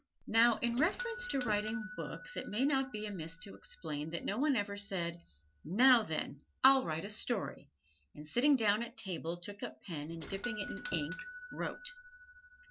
Now, in reference to writing books it may not be amiss to explain that no one ever said, "Now then, I'll write a story!" and sitting down at table took up pen and dipping it in ink, wrote.